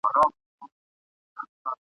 په پخوا کي یو ښکاري وو له ښکاریانو ..